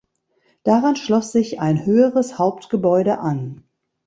Daran schloss sich ein höheres Hauptgebäude an.